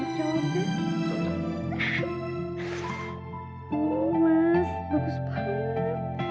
baru baru nyembing istri nggak apa apa kan mas